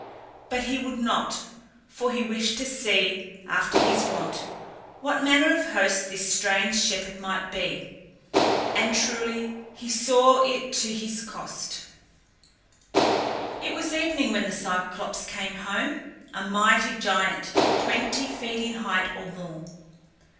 But he would not, for he wished to see, after his wont, what manner of host this strange shepherd might be. And truly he saw it to his cost! [Illustration: THE ONE EYED POLYPHEMUS] It was evening when the Cyclops came home, a mighty giant, twenty feet in height or more.